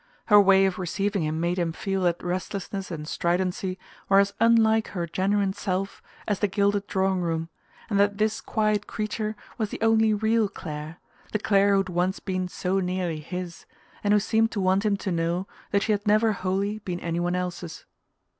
Her way of receiving him made him feel that restlessness and stridency were as unlike her genuine self as the gilded drawing room, and that this quiet creature was the only real Clare, the Clare who had once been so nearly his, and who seemed to want him to know that she had never wholly been any one else's.